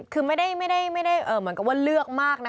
คือไม่ได้เหมือนกับว่าเลือกมากนะคะ